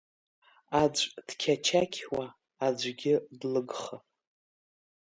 Аӡә дқьачақьуа, аӡәгьы длыгха…